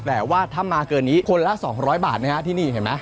แต่ว่าถ้ามาเกินนี้คนละ๒๐๐บาทนะฮะที่นี่เห็นไหม